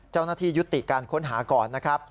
เจ้าหน้าที่ยุติการค้นหาก่อนนะครับ